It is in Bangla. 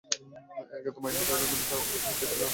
একেতো মাইনাস ইলেভেন, তার ওপর রুম হিটার ছিল না, জানালা খোলা ছিল।